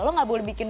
lo nggak boleh bikin